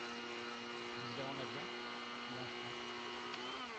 Vous irez en avion ou en train ?